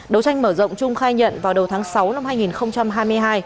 đấu tranh mở rộng trung khai nhận vào đầu tháng sáu năm hai nghìn hai mươi hai